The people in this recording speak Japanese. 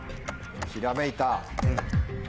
ひらめいた。